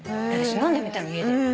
飲んでみたの家で。